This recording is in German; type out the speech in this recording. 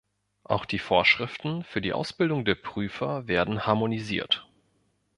Auch die Vorschriften für die Ausbildung der Prüfer werden harmonisiert.